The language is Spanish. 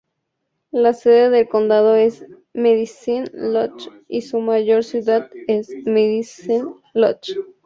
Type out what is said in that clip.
La sede del condado es Medicine Lodge y su mayor ciudad es Medicine Lodge.